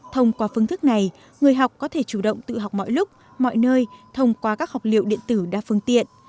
thông qua phương thức này người học có thể chủ động tự học mọi lúc mọi nơi thông qua các học liệu điện tử đa phương tiện